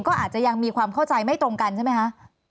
ก็อาจจะยังมีความเข้าใจไม่ตรงกันใช่ไหมคะ